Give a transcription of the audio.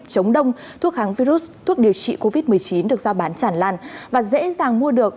chống đông thuốc kháng virus thuốc điều trị covid một mươi chín được giao bán chản lan và dễ dàng mua được